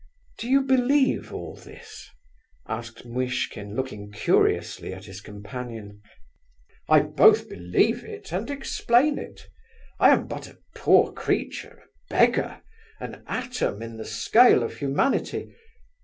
"Do you believe all this?" asked Muishkin, looking curiously at his companion. "I both believe it and explain it. I am but a poor creature, a beggar, an atom in the scale of humanity.